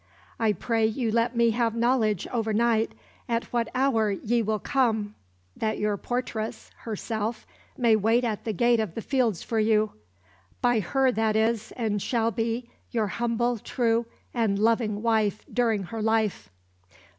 I pray you let me have knowledge over night at what hour ye will come, that your portress [herself] may wait at the gate of the fields for you.... By her that is, and shall be, your humble, true, and loving wife during her life."